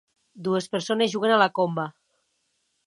Dues persones juguen a la comba.